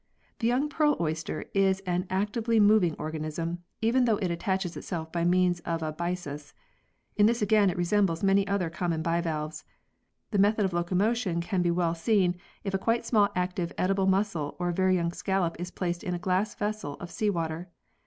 The young pearl oyster is an actively moving organism, even though it attaches itself by means of a byssus. In this again it resembles many other common bivalves. The method of locomotion can be well seen if a quite small active edible mussel or a very young scallop is placed in a glass vessel of sea water.